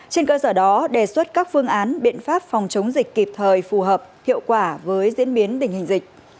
trên cơ sở đó đề xuất các phương án biện pháp phòng chống dịch kịp thời phù hợp hiệu quả với diễn biến tình hình dịch